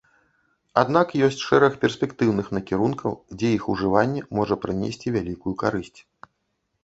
Аднак ёсць шэраг перспектыўных накірункаў, дзе іх ужыванне можа прынесці вялікую карысць.